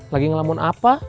lagi ngelamun apa